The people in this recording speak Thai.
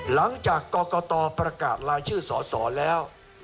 หลังจากกรกตประกาศรายชื่อสสแล้ว